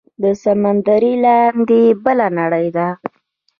د سمندر لاندې بله نړۍ ده